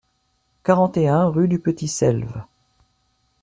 quarante et un rue du Petit Selve